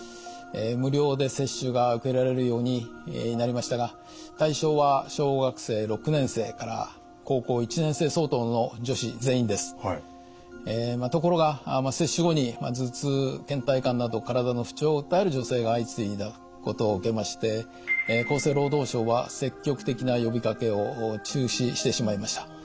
無料で接種が受けられるようになりましたがところが接種後に頭痛・けん怠感など体の不調を訴える女性が相次いだことを受けまして厚生労働省は積極的な呼びかけを中止してしまいました。